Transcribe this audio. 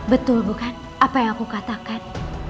betul bukan apa yang aku katakan